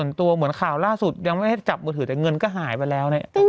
ส่วนตัวเหมือนข่าวล่าสุดยังไม่ให้จับมือถือแต่เงินก็หายไปแล้วเนี่ย